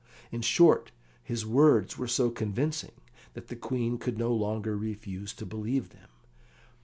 In short, his words were so convincing that the Queen could no longer refuse to believe them.